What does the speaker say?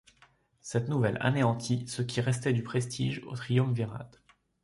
Cette nouvelle anéantit ce qui restait de prestige au triumvirat.